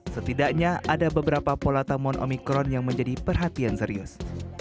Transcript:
setidaknya ada beberapa pola temuan omikron yang menjadi perhatian serius